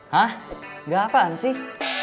hah enggak apaan sih